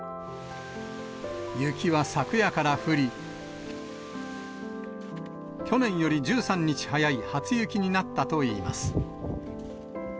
雪は昨夜から降り、去年より１３日早い初雪になったといいます。